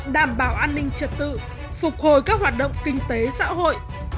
đảm bảo an ninh trật tự phục hồi các hoạt động kinh tế xã hội